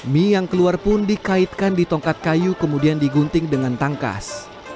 mie yang keluar pun dikaitkan di tongkat kayu kemudian digunting dengan tangkas